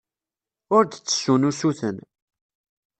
Ur d-ttessun usuten.